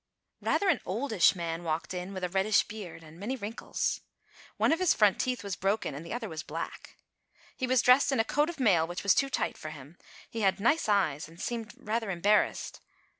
Rather an oldish man walked in, with a reddish beard, and many wrinkles. One of his front teeth was broken and the other was black. He was dressed in a coat of mail which was too tight for him. He had nice eyes and seemed rather embarrassed.